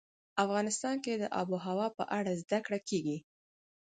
افغانستان کې د آب وهوا په اړه زده کړه کېږي.